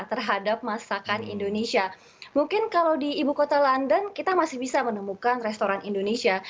terhadap masakan indonesia mungkin kalau di ibu kota london kita masih bisa menemukan restoran indonesia